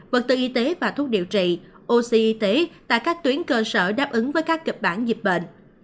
vật tư y tế và thuốc điều trị oxy tại các tuyến cơ sở đáp ứng với các kịch bản dịch bệnh